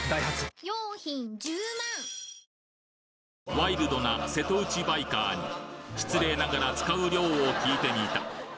ワイルドな瀬戸内バイカーに失礼ながら使う量を聞いてみた